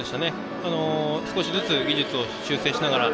少しずつ技術を修正しながら。